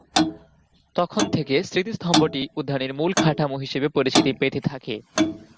তখন থেকে স্মৃতিস্তম্ভটি উদ্যানের মূল কাঠামো হিসেবে পরিচিতি পেতে থাকে।